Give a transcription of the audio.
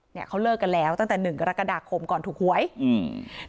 เนี่ยเขาเลิกกันแล้วตั้งแต่หนึ่งกรกฎาคมก่อนถูกหวยอืม